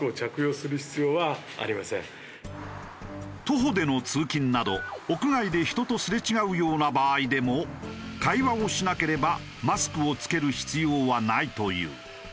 徒歩での通勤など屋外で人とすれ違うような場合でも会話をしなければマスクを着ける必要はないという。